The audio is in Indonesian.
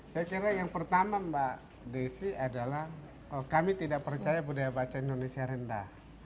saya kira yang pertama mbak desi adalah kami tidak percaya budaya baca indonesia rendah